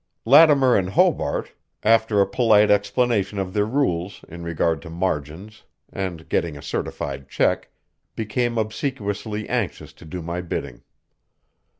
Lattimer and Hobart, after a polite explanation of their rules in regard to margins, and getting a certified check, became obsequiously anxious to do my bidding.